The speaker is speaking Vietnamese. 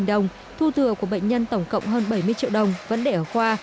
ba trăm năm mươi đồng thu thừa của bệnh nhân tổng cộng hơn bảy mươi triệu đồng vẫn để ở khoa